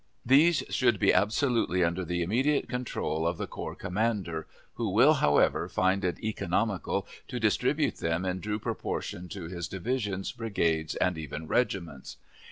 These should be absolutely under the immediate control of the corps commander, who will, however, find it economical to distribute them in due proportion to his divisions, brigades, and even regiments.